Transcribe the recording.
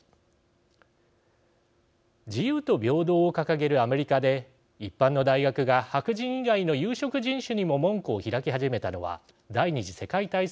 自由と平等を掲げるアメリカで一般の大学が白人以外の有色人種にも門戸を開き始めたのは第二次世界大戦後のことでした。